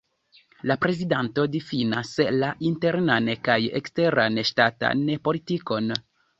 La prezidanto difinas la internan kaj eksteran ŝtatan politikon.